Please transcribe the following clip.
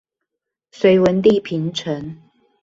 隋文帝平陳